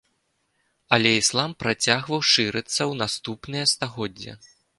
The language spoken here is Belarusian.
Але іслам працягваў шырыцца ў наступныя стагоддзі.